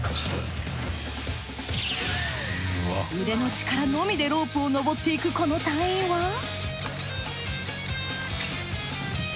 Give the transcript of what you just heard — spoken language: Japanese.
腕の力のみでロープをのぼっていくこの隊員は。